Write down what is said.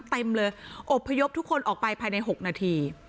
เต็มเลยอบพยพทุกคนออกไปภายใน๖นาที